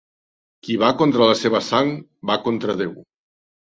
Qui va contra la seva sang, va contra Déu.